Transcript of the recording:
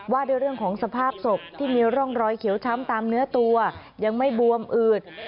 ด้วยเรื่องของสภาพศพที่มีร่องรอยเขียวช้ำตามเนื้อตัวยังไม่บวมอืด